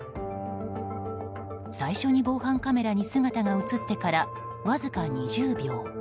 最初に防犯カメラに姿が映ってからわずか２０秒。